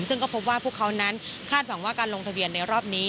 ซึ่งก็พบว่าพวกเขานั้นคาดหวังว่าการลงทะเบียนในรอบนี้